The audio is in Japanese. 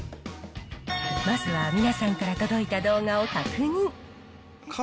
まずは皆さんから届いた動画を確認。